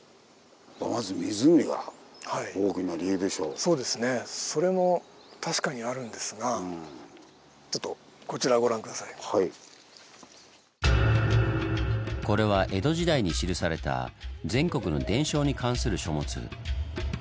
そうですねそれも確かにあるんですがちょっとこれは江戸時代に記された全国の伝承に関する書物。